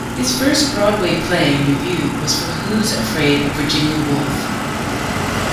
His first Broadway play review was for "Who's Afraid of Virginia Woolf?